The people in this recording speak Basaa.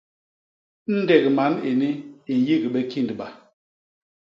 Ndék man ini i nyik bé kindba.